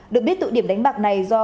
được biết tụ điểm đánh bạc này do